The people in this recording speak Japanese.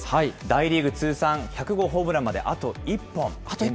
大リーグ通算１００号ホームランまであと１本。